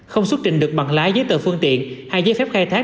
không xuất trình được bằng lái giấy tờ phương tiện hay giấy phép khai thác